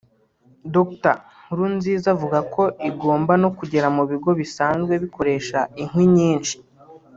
Dr Nkurunziza avuga ko igomba no kugera mu bigo bisanzwe bikoresha inkwi nyinshi